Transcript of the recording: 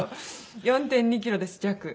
４．２キロです約。